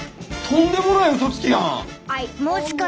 とんでもないうそつきやん！